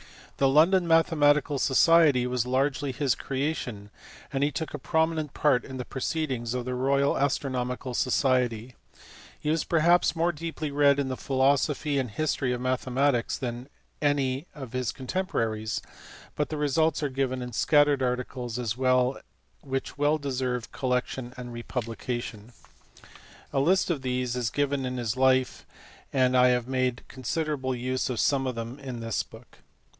The London Mathematical Society was largely his creation, and he took a prominent part in the proceedings of the Royal Astronomical Society. He was perhaps more deeply read in the philosophy and history of mathematics than any of his contemporaries, but the results are given in scattered articles which well deserve col * His life was written by his widow, S. E. De Morgan, London, 1882. HIGHER ALGEBRA. 477 lection and republication. A list of these is given in his life, and I have made considerable use of some of them in this book.